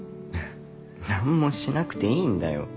何もしなくていいんだよ。